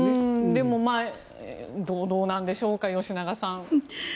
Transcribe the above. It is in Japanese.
でもどうなんでしょうか吉永さん。